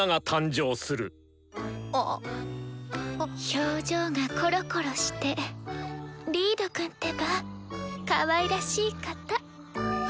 表情がコロコロしてリードくんってばかわいらしい方。